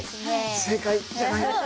正解じゃないです。